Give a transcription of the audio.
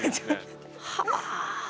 はあ。